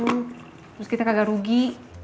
terus kita kagak rugi